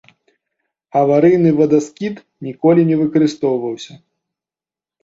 Аварыйны вадаскід ніколі не выкарыстоўваўся.